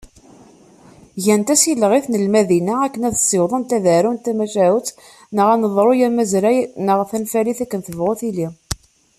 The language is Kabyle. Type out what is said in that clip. Gant asileɣ i tnelmadin-a akken ad ssiwḍent ad d-arunt tamacahut neɣ aneḍruy amazray neɣ tanfalit akken tebɣu tili.